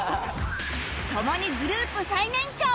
共にグループ最年長